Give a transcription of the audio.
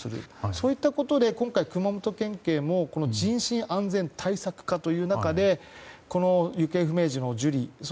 そういったことで今回、熊本県警もこの人身安全対策課という中でこの行方不明時の受理。